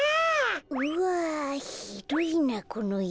うわひどいなこのいえ。